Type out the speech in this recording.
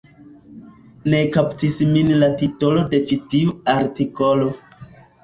Ne kaptis min la titolo de ĉi tiu artikolo